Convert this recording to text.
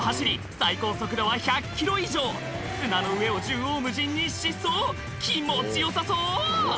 最高速度は１００キロ以上砂の上を縦横無尽に疾走気持ちよさそう！